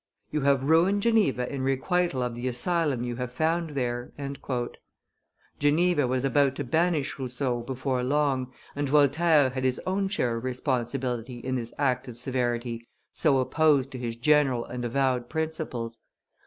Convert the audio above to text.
You have ruined Geneva in requital of the asylum you have found there." Geneva was about to banish Rousseau before long, and Voltaire had his own share of responsibility in this act of severity so opposed to his general and avowed principles.